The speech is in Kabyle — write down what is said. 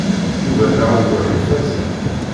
Yuba d aɛewwam ifazen.